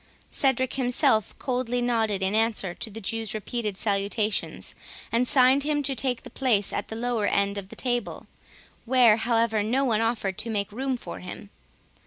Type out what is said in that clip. Cedric himself coldly nodded in answer to the Jew's repeated salutations, and signed to him to take place at the lower end of the table, where, however, no one offered to make room for him.